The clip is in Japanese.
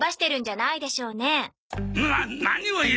な何を言う！